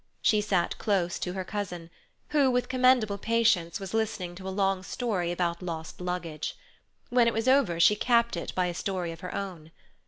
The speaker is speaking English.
She sat close to her cousin, who, with commendable patience, was listening to a long story about lost luggage. When it was over she capped it by a story of her own.